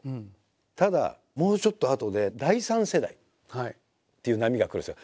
ただもうちょっとあとで第３世代っていう波が来るんですよ。